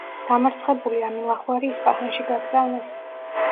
დამარცხებული ამილახვარი ისპაჰანში გაგზავნეს.